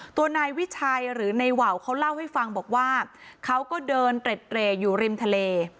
ตัวนายวิชัยหรือในว่าวเขาเล่าให้ฟังบอกว่าเขาก็เดินเตร็ดเรย์อยู่ริมทะเล